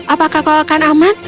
apakah kau akan aman